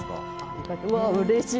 うれしい！